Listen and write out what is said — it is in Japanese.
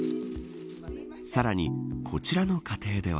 さらに、こちらの家庭では。